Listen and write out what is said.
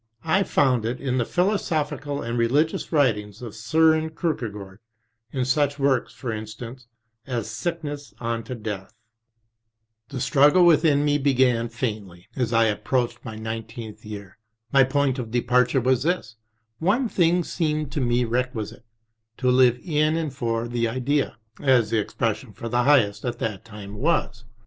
I found it in the philosophical and religious writings of Soren Kierke gaard, in such works, for instance, as Sickness unto Death. • The struggle within me began, faintly, as I approached my nineteenth year. My point of departure was this : one thing seemed to me requisite, to live in and for The Idea, as the expression for the highest at that time was.